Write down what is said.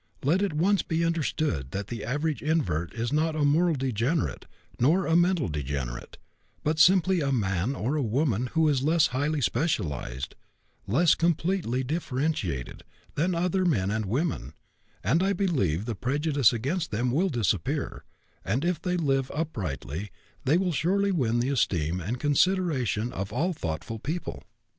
Let it once be understood that the average invert is not a moral degenerate nor a mental degenerate, but simply a man or a woman who is less highly specialized, less completely differentiated, than other men and women, and I believe the prejudice against them will disappear, and if they live uprightly they will surely win the esteem and consideration of all thoughtful people.